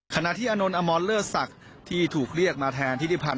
ขณะที่อโนนอมอลเลอสักที่ถูกเรียกมาแทนทิศิพรัน